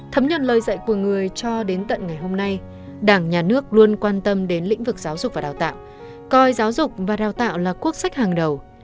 thấm nhận lời dạy của người cho đến tận ngày hôm nay đảng nhà nước luôn quan tâm đến lĩnh vực giáo dục và đào tạo coi giáo dục và đào tạo là quốc sách hàng đầu